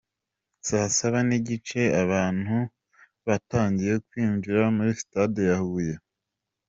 Saa saba n'igice abanatu batangiye kwinjira muri sitade Huye.